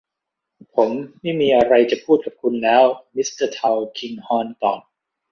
ผมไม่มีอะไรจะพูดกับคุณแล้ว มิสเตอร์ทัลคิงฮอร์นตอบ